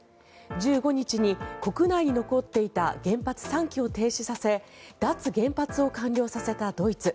１５日に国内に残っていた原発３基を停止させ脱原発を完了させたドイツ。